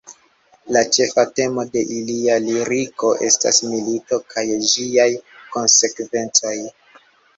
La ĉefa temo de ilia liriko estas milito kaj ĝiaj konsekvencoj.